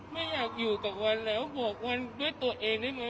ไม่อยากอยู่กับวันแล้วบอกวันด้วยตัวเองได้ไหม